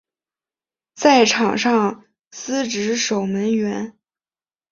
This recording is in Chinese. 在场上司职守门员。